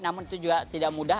namun itu juga tidak mudah